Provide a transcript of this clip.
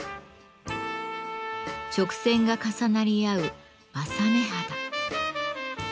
直線が重なり合う柾目肌。